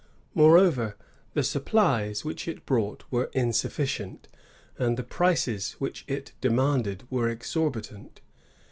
Moreover, the supplies which it brought were insufficient, and the prices which it demanded were exorbitant.